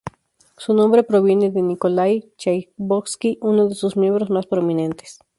Su nombre proviene de Nikolái Chaikovski, uno de sus miembros más prominentes.